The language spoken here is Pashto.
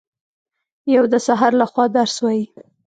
یو د سحر لخوا درس وايي